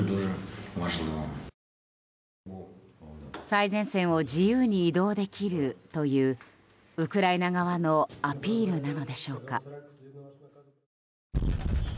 最前線を自由に移動できるというウクライナ側のアピールなのでしょうか。